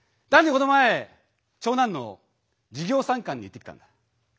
この前長男の授業参観に行ってきたんだ。